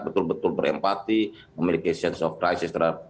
betul betul berempati memiliki sense of crisis terhadap